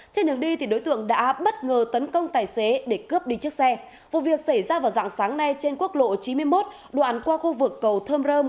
trên đường đi đối tượng đã bất ngờ tấn công tài xế để cướp đi chiếc xe vụ việc xảy ra vào dạng sáng nay trên quốc lộ chín mươi một đoạn qua khu vực cầu thơm rơm